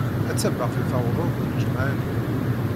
Atta baqi tewweḍ-d lǧemɛa-nni.